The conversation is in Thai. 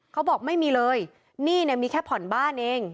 เขาบอกไม่มีเลยหนี้เนี่ยมีแค่ผ่อนบ้านเอง